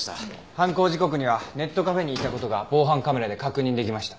犯行時刻にはネットカフェにいた事が防犯カメラで確認できました。